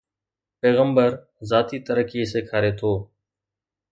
پيغمبر ذاتي ترقي سيکاري ٿو.